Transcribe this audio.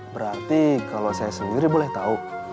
berarti kalau saya sendiri boleh tahu